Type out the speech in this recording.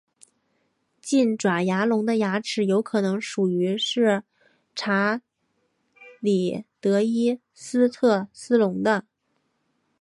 近爪牙龙的牙齿有可能其实是属于理查德伊斯特斯龙的。